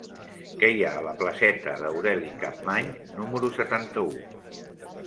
Què hi ha a la placeta d'Aureli Capmany número setanta-u?